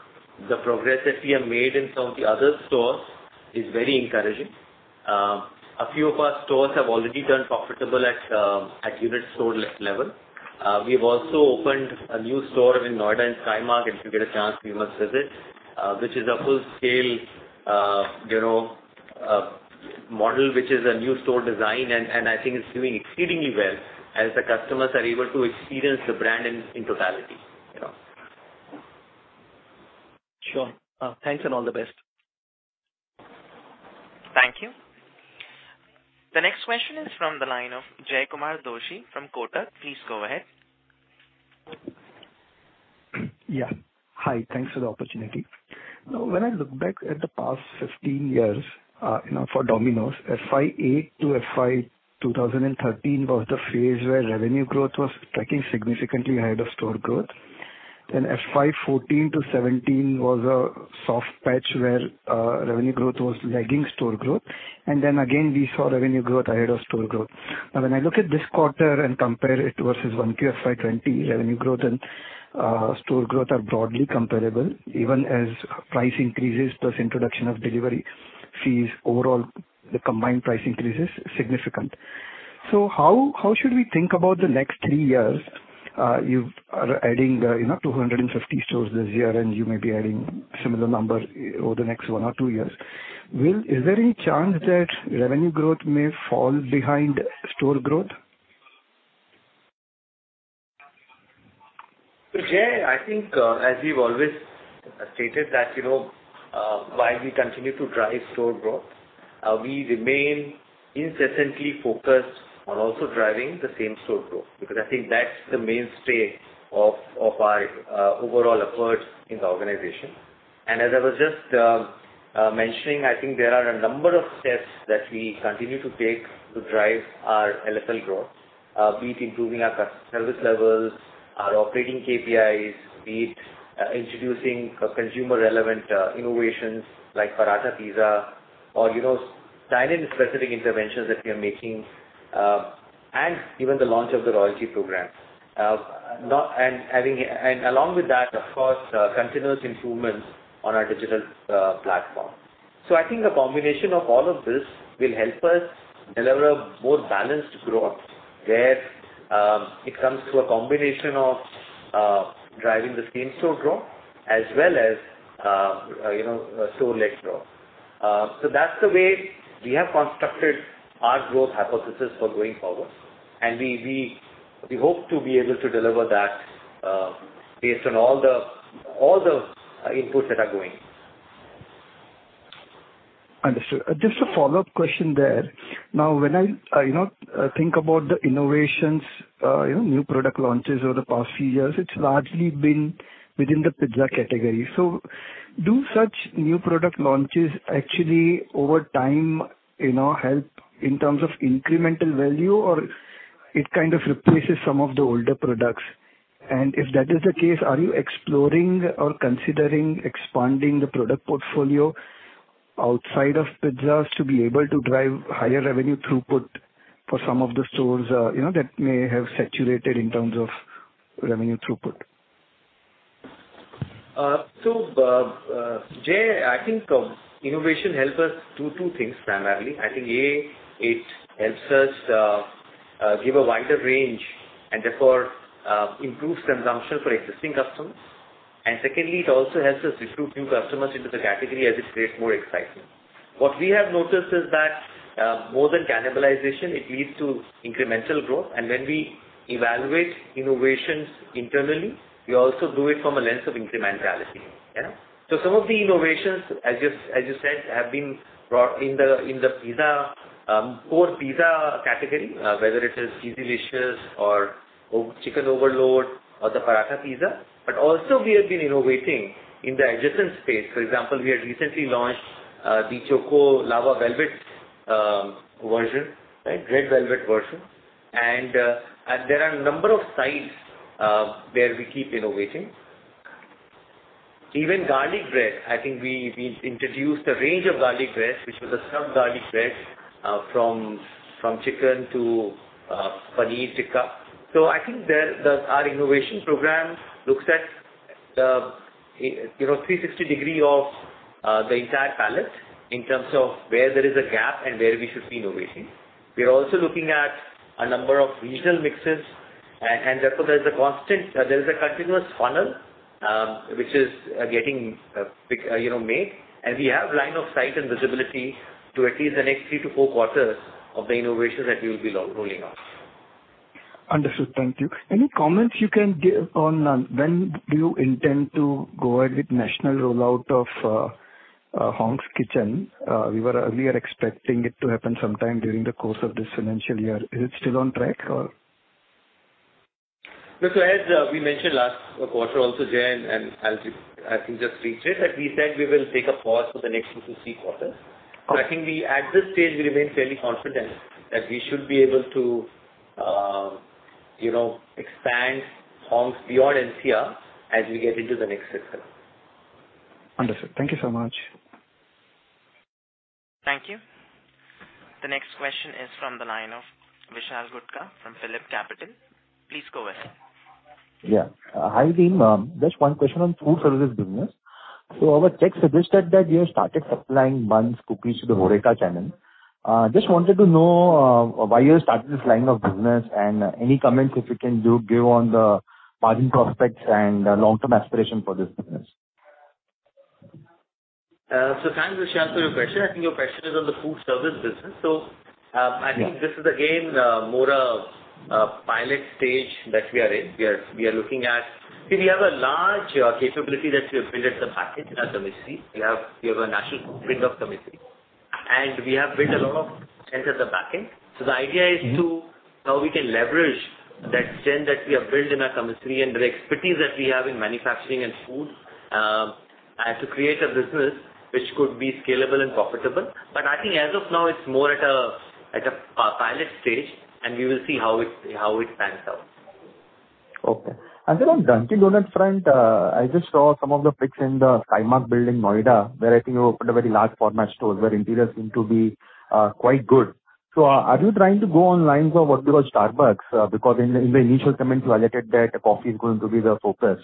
the progress that we have made in some of the other stores is very encouraging. A few of our stores have already turned profitable at unit store level. We've also opened a new store in Noida in Skymark One. If you get a chance, you must visit. Which is a full scale, you know, model, which is a new store design, and I think it's doing exceedingly well as the customers are able to experience the brand in totality, you know. Sure. Thanks and all the best. Thank you. The next question is from the line of Jaykumar Doshi from Kotak. Please go ahead. Yeah. Hi. Thanks for the opportunity. Now, when I look back at the past 15 years, you know, for Domino's, FY 2008 to FY 2013 was the phase where revenue growth was tracking significantly ahead of store growth. FY 2014 to 2017 was a soft patch where revenue growth was lagging store growth. We saw revenue growth ahead of store growth. Now, when I look at this quarter and compare it versus 1Q FY 2020, revenue growth and store growth are broadly comparable. Even as price increases plus introduction of delivery fees, overall the combined price increase is significant. How should we think about the next three years? You are adding, you know, 250 stores this year, and you may be adding similar number over the next one or two years. Is there any chance that revenue growth may fall behind store growth? Jay, I think, as we've always stated that, you know, while we continue to drive store growth, we remain incessantly focused on also driving the same store growth, because I think that's the mainstay of our overall efforts in the organization. As I was just mentioning, I think there are a number of steps that we continue to take to drive our LFL growth, be it improving our customer service levels, our operating KPIs, be it introducing consumer relevant innovations like Paratha Pizza or, you know, dine-in specific interventions that we are making, and even the launch of the loyalty program. Along with that, of course, continuous improvements on our digital platform. I think a combination of all of this will help us deliver a more balanced growth where it comes through a combination of driving the same-store growth as well as you know store-led growth. That's the way we have constructed our growth hypothesis for going forward. We hope to be able to deliver that based on all the inputs that are going in. Understood. Just a follow-up question there. Now, when I, you know, think about the innovations, you know, new product launches over the past few years, it's largely been within the pizza category. So do such new product launches actually over time, you know, help in terms of incremental value, or it kind of replaces some of the older products? And if that is the case, are you exploring or considering expanding the product portfolio outside of pizzas to be able to drive higher revenue throughput for some of the stores, you know, that may have saturated in terms of revenue throughput? Jay, I think innovation helps us do two things primarily. I think A, it helps us give a wider range and therefore improves consumption for existing customers. Secondly, it also helps us recruit new customers into the category as it creates more excitement. What we have noticed is that more than cannibalization, it leads to incremental growth. When we evaluate innovations internally, we also do it from a lens of incrementality. Yeah. Some of the innovations, as you said, have been brought in the pizza core pizza category, whether it is Cheezalicious or Chicken Overload or the Paratha Pizza. Also we have been innovating in the adjacent space. For example, we have recently launched the Red Velvet Lava Cake, right? There are a number of sides where we keep innovating. Even Garlic Bread, I think we introduced a range of Garlic Bread, which was a stuffed Garlic Bread from chicken to paneer tikka. I think our innovation program looks at you know 360-degree of the entire palette in terms of where there is a gap and where we should be innovating. We are also looking at a number of regional mixes. There is a continuous funnel which is getting you know made, and we have line of sight and visibility to at least the next 3-4 quarters of the innovation that we will be rolling out. Understood. Thank you. Any comments you can give on, when do you intend to go ahead with national rollout of, Hong's Kitchen? We are expecting it to happen sometime during the course of this financial year. Is it still on track or? Look, as we mentioned last quarter also, Jay, and as you—I think just read it, that we said we will take a pause for the next 2-3 quarters. Okay. I think we at this stage remain fairly confident that we should be able to expand Hong's beyond NCR as we get into the next fiscal. Understood. Thank you so much. Thank you. The next question is from the line of Vishal Gutka from PhillipCapital. Please go ahead. Yeah. Hi, Dean. Just one question on food services business. Our tech suggested that you have started supplying buns, cookies to the HORECA channel. Just wanted to know why you have started this line of business, and any comments if you can give on the margin prospects and long-term aspiration for this business. Thanks, Vishal, for your question. I think your question is on the food service business. I think this is again more of a pilot stage that we are in. We are looking at. See, we have a large capability that we have built at the backend in our commissary. We have a national footprint of commissary, and we have built a lot of strength at the backend. The idea is to how we can leverage that strength that we have built in our commissary and the expertise that we have in manufacturing and food, and to create a business which could be scalable and profitable. I think as of now, it's more at a pilot stage, and we will see how it pans out. Okay. Then on Dunkin' Donuts front, I just saw some of the pics in the Skymark building, Noida, where I think you opened a very large format store where interiors seem to be quite good. Are you trying to go on lines of what we call Starbucks? Because in the initial comment you alerted that coffee is going to be the focus.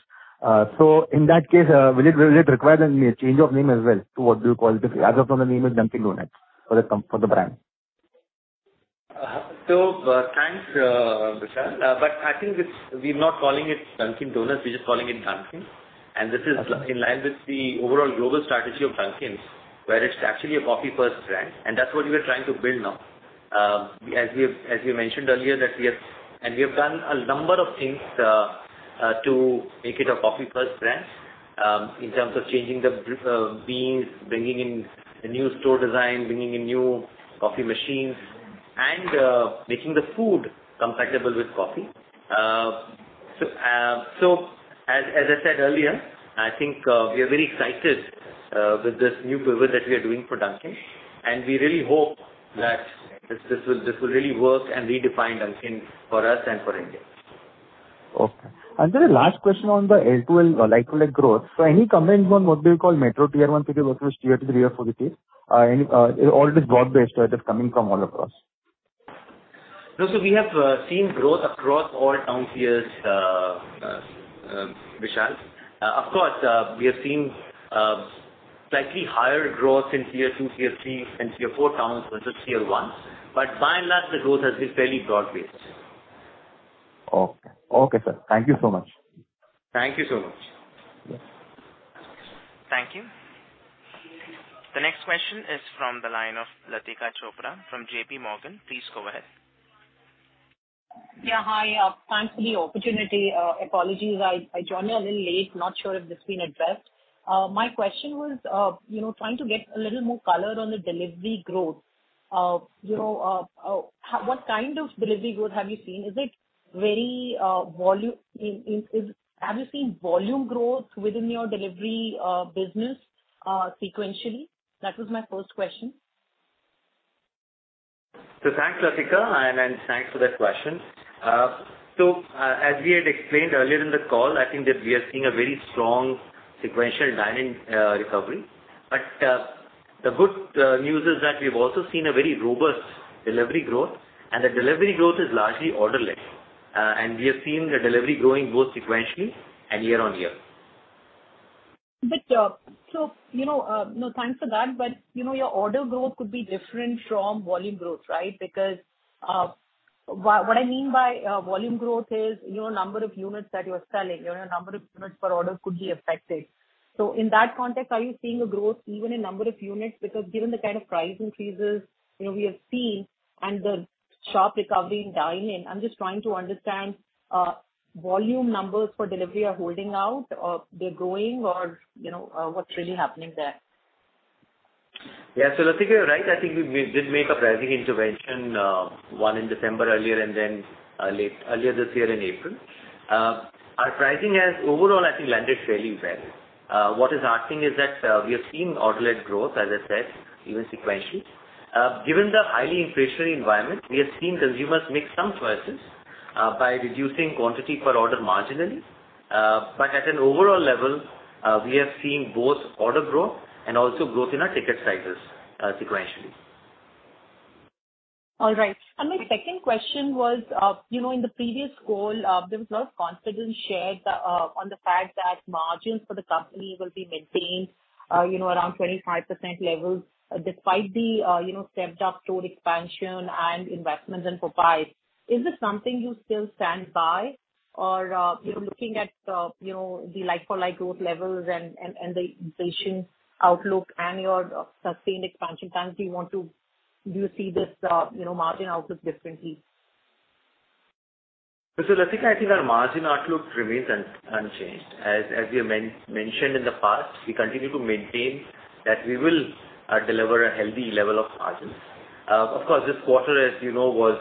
In that case, will it require a change of name as well to what we call differently? As of now the name is Dunkin' Donuts for the brand. Thanks, Vishal. I think we're not calling it Dunkin' Donuts, we're just calling it Dunkin'. This is in line with the overall global strategy of Dunkin's, where it's actually a coffee first brand, and that's what we are trying to build now. As we mentioned earlier, we have done a number of things to make it a coffee first brand, in terms of changing the beans, bringing in a new store design, bringing in new coffee machines, and making the food compatible with coffee. As I said earlier, I think we are very excited with this new pivot that we are doing for Dunkin', and we really hope that this will really work and redefine Dunkin' for us and for India. Okay. A last question on the LFL or like-for-like growth. Any comments on what they call metro tier one cities versus tier three or four cities? Or it is broad-based, right, it's coming from all across? No. We have seen growth across all town tiers, Vishal. Of course, we have seen slightly higher growth in tier two, tier three and tier four towns versus tier one. By and large, the growth has been fairly broad-based. Okay. Okay, sir. Thank you so much. Thank you so much. Yes. Thank you. The next question is from the line of Latika Chopra from JPMorgan. Please go ahead. Yeah, hi. Thanks for the opportunity. Apologies, I joined a little late. Not sure if this has been addressed. My question was, you know, trying to get a little more color on the delivery growth. You know, what kind of delivery growth have you seen? Have you seen volume growth within your delivery business sequentially? That was my first question. Thanks, Latika, and thanks for that question. As we had explained earlier in the call, I think that we are seeing a very strong sequential dine-in recovery. The good news is that we've also seen a very robust delivery growth, and the delivery growth is largely order-led. We have seen the delivery growing both sequentially and year-over-year. You know, no, thanks for that, but you know, your order growth could be different from volume growth, right? Because, what I mean by volume growth is, you know, number of units that you're selling or your number of units per order could be affected. In that context, are you seeing a growth even in number of units? Because given the kind of price increases, you know, we have seen and the sharp recovery in dine-in, I'm just trying to understand, volume numbers for delivery are holding out or they're growing or, you know, what's really happening there. Latika, you're right. I think we did make a pricing intervention, one in December earlier and then earlier this year in April. Our pricing has overall, I think, landed fairly well. What is heartening is that we are seeing order-led growth, as I said, even sequentially. Given the highly inflationary environment, we have seen consumers make some choices by reducing quantity per order marginally. At an overall level, we have seen both order growth and also growth in our ticket sizes sequentially. All right. My second question was, you know, in the previous call, there was a lot of confidence shared on the fact that margins for the company will be maintained, you know, around 25% levels despite the, you know, stepped up store expansion and investments in Popeyes. Is this something you still stand by or, you're looking at, you know, the like-for-like growth levels and the inflation outlook and your sustained expansion plans? Do you see this, you know, margin outlook differently? Latika, I think our margin outlook remains unchanged. As we mentioned in the past, we continue to maintain that we will deliver a healthy level of margins. Of course, this quarter, as you know, was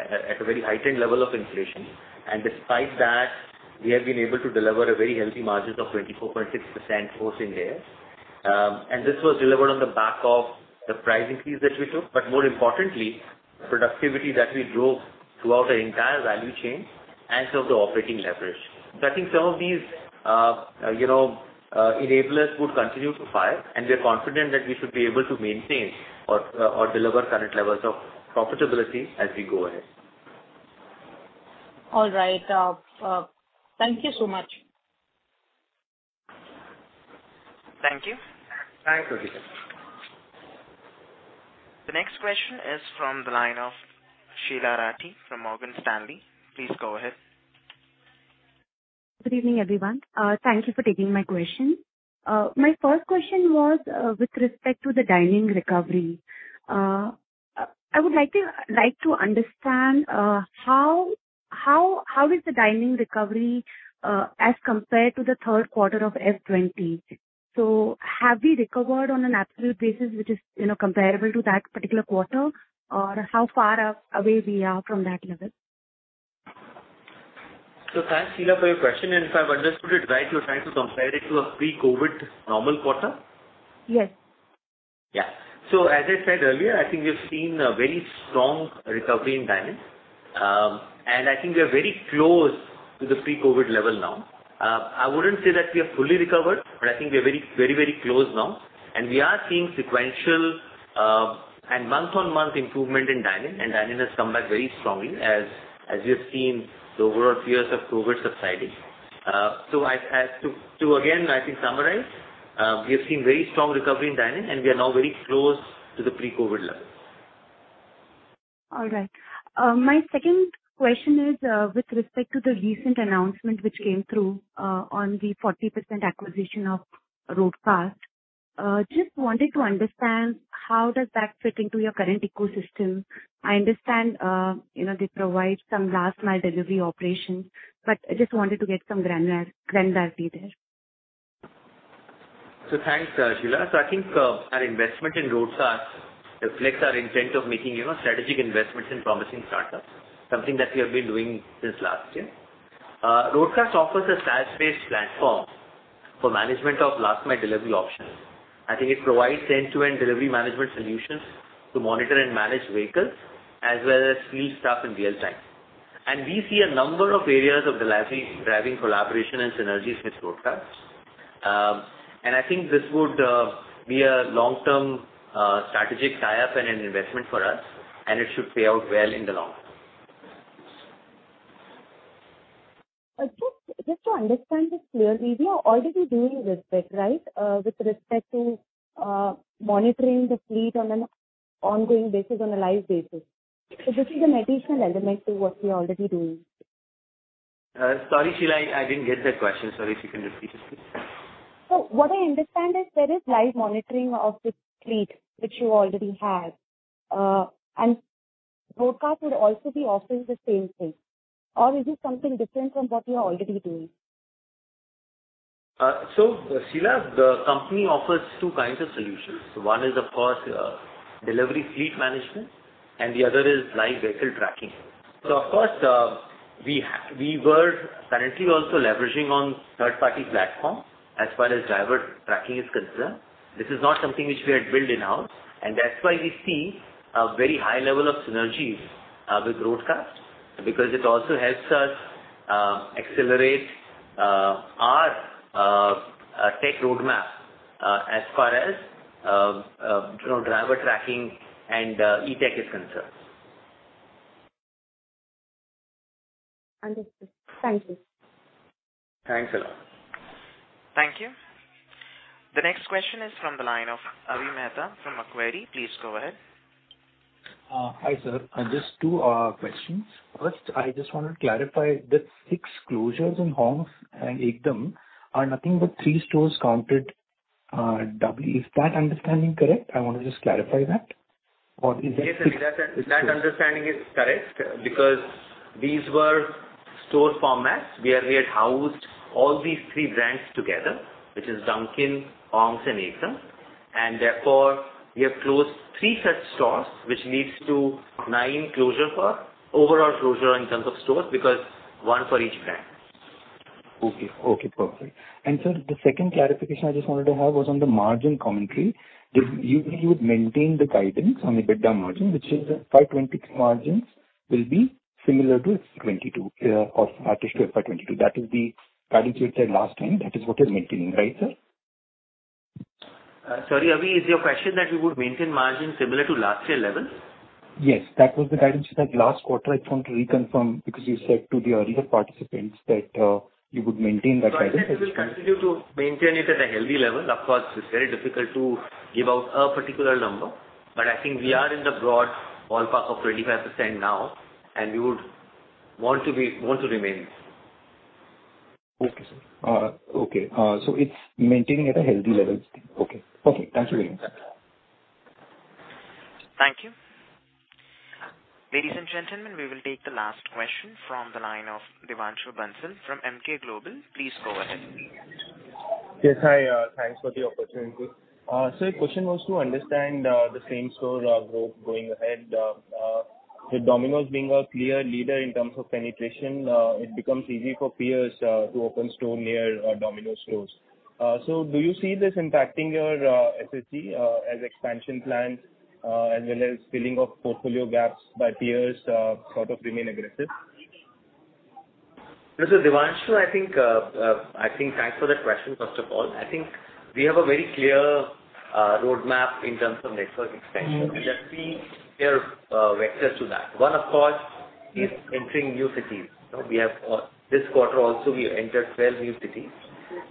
at a very heightened level of inflation. Despite that, we have been able to deliver a very healthy margin of 24.6% gross in there. This was delivered on the back of the price increase that we took, but more importantly, productivity that we drove throughout our entire value chain and through the operating leverage. I think some of these, you know, enablers would continue to fire, and we're confident that we should be able to maintain or deliver current levels of profitability as we go ahead. All right. Thank you so much. Thank you. Thanks, Latika. The next question is from the line of Sheela Rathi from Morgan Stanley. Please go ahead. Good evening, everyone. Thank you for taking my question. My first question was with respect to the dine-in recovery. I would like to understand how is the dine-in recovery as compared to the third quarter of FY 2020. Have we recovered on a natural basis, which is, you know, comparable to that particular quarter? Or how far away we are from that level? Thanks, Sheela, for your question, and if I've understood it right, you're trying to compare it to a pre-COVID normal quarter? Yes. As I said earlier, I think we have seen a very strong recovery in dine-in. I think we are very close to the pre-COVID level now. I wouldn't say that we are fully recovered, but I think we are very, very, very close now. We are seeing sequential and month-on-month improvement in dine-in, and dine-in has come back very strongly as we have seen the overall fears of COVID subsiding. I think, to summarize, we have seen very strong recovery in dine-in, and we are now very close to the pre-COVID levels. All right. My second question is, with respect to the recent announcement which came through, on the 40% acquisition of Roadcast. Just wanted to understand how does that fit into your current ecosystem. I understand, you know, they provide some last-mile delivery operations, but I just wanted to get some granularity there. Thanks, Sheela. I think our investment in Roadcast reflects our intent of making, you know, strategic investments in promising startups, something that we have been doing since last year. Roadcast offers a SaaS-based platform for management of last mile delivery options. I think it provides end-to-end delivery management solutions to monitor and manage vehicles as well as field staff in real time. We see a number of areas driving collaboration and synergies with Roadcast. I think this would be a long-term strategic tie-up and an investment for us, and it should pay out well in the long run. Just to understand this clearly, we are already doing this bit, right? With respect to monitoring the fleet on an ongoing basis on a live basis. This is an additional element to what we are already doing. Sorry, Sheela, I didn't get that question. Sorry. If you can repeat it, please. What I understand is there is live monitoring of this fleet, which you already have. Roadcast would also be offering the same thing. Is it something different from what you are already doing? Sheela, the company offers two kinds of solutions. One is, of course, delivery fleet management, and the other is live vehicle tracking. We were currently also leveraging on third-party platforms as far as driver tracking is concerned. This is not something which we had built in-house, and that's why we see a very high level of synergies with Roadcast, because it also helps us accelerate our tech roadmap as far as you know, driver tracking and tech is concerned. Understood. Thank you. Thanks a lot. Thank you. The next question is from the line of Avi Mehta from Macquarie. Please go ahead. Hi, sir. Just 2 questions. First, I just want to clarify, the 6 closures in Hong's and Ekdum are nothing but 3 stores counted doubly. Is that understanding correct? I want to just clarify that. Or is that? Yes, Avi, that understanding is correct because these were store formats where we had housed all these three brands together, which is Dunkin', Hong's, and Ekdum. Therefore, we have closed three such stores, which leads to nine closures overall in terms of stores, because one for each brand. Okay. Okay, perfect. Sir, the second clarification I just wanted to have was on the margin commentary. You said you would maintain the guidance on EBITDA margin, which is the FY 2022 margins will be similar to 22, or at least to FY 2022. That is the guidance you said last time. That is what you're maintaining, right, sir? Sorry, Avi. Is your question that we would maintain margin similar to last year level? Yes. That was the guidance you said last quarter. I just want to reconfirm because you said to the earlier participants that you would maintain that guidance. I said we'll continue to maintain it at a healthy level. Of course, it's very difficult to give out a particular number, but I think we are in the broad ballpark of 25% now, and we would want to remain. Okay, sir. Okay. It's maintaining at a healthy level. Okay. Okay. Thank you very much. Thank you. Ladies and gentlemen, we will take the last question from the line of Devanshu Bansal from Emkay Global. Please go ahead. Yes. Hi, thanks for the opportunity. Sir, question was to understand the same store growth going ahead. With Domino's being a clear leader in terms of penetration, it becomes easy for peers to open store near Domino's stores. Do you see this impacting your SSG as expansion plans as well as filling of portfolio gaps by peers sort of remain aggressive? Mr. Devanshu, I think thanks for that question, first of all. I think we have a very clear roadmap in terms of network expansion. There are three clear vectors to that. One, of course, is entering new cities. We have, this quarter also we entered 12 new cities,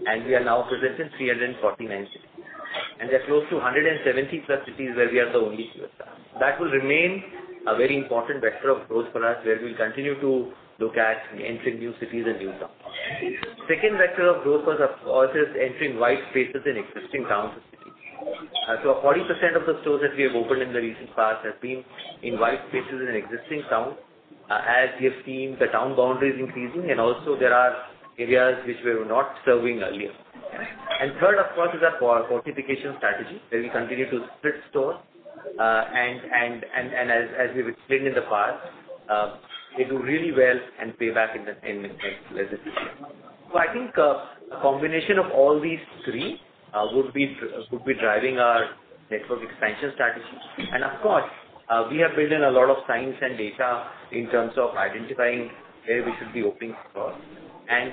and we are now present in 349 cities. We are close to 170+ cities where we are the only pizza. That will remain a very important vector of growth for us, where we'll continue to look at entering new cities and new towns. Second vector of growth for us, of course, is entering white spaces in existing towns and cities. 40% of the stores that we have opened in the recent past have been in white spaces in an existing town, as we have seen the town boundaries increasing and also there are areas which we were not serving earlier. Third, of course, is our fortification strategy, where we continue to split stores. As we've explained in the past, they do really well and pay back in less than two years. I think a combination of all these three would be driving our network expansion strategies. Of course, we have built in a lot of science and data in terms of identifying where we should be opening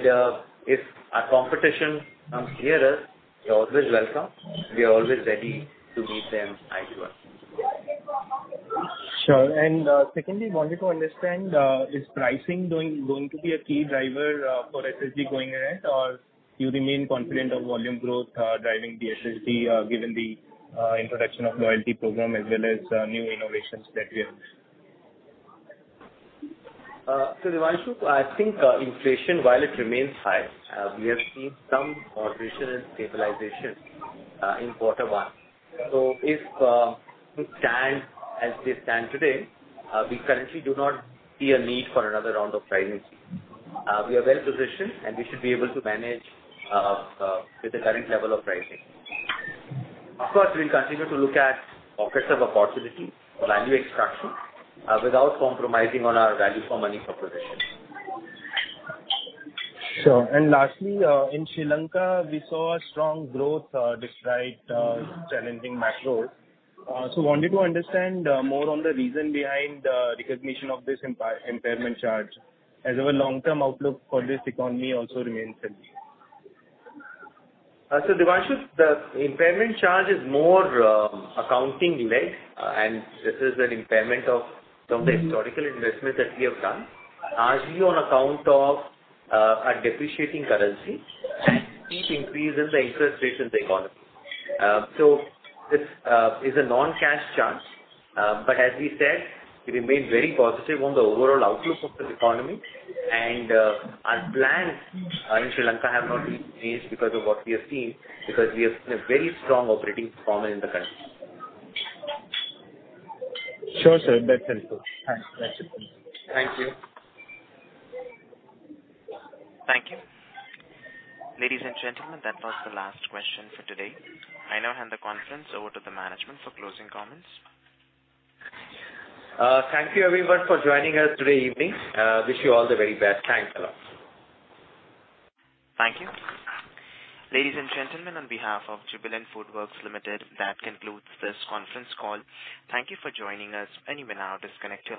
stores. If our competition comes near us, they're always welcome. We are always ready to meet them eye to eye. Sure. Secondly, wanted to understand, is pricing going to be a key driver for SSG going ahead or you remain confident of volume growth driving the SSG, given the introduction of loyalty program as well as new innovations that we have? Devanshu, I think, inflation, while it remains high, we have seen some moderation and stabilization, in quarter one. If things stand as they stand today, we currently do not see a need for another round of pricing. We are well-positioned, and we should be able to manage, with the current level of pricing. Of course, we'll continue to look at pockets of opportunity for value extraction, without compromising on our value for money proposition. Sure. Lastly, in Sri Lanka, we saw a strong growth, despite challenging macros. Wanted to understand more on the reason behind the recognition of this impairment charge as our long-term outlook for this economy also remains healthy. Devanshu, the impairment charge is more accounting-led, and this is an impairment of some of the historical investments that we have done, largely on account of a depreciating currency and steep increase in the interest rates in the economy. This is a non-cash charge. As we said, we remain very positive on the overall outlook of this economy. Our plans in Sri Lanka have not been changed because of what we have seen, because we have seen a very strong operating performance in the country. Sure, sir. That's helpful. Thanks. That's it from me. Thank you. Thank you. Ladies and gentlemen, that was the last question for today. I now hand the conference over to the management for closing comments. Thank you everyone for joining us today evening. Wish you all the very best. Thanks a lot. Thank you. Ladies and gentlemen, on behalf of Jubilant FoodWorks Limited, that concludes this conference call. Thank you for joining us. You may now disconnect your-